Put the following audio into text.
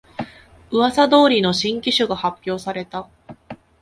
うわさ通りの新機種が発表された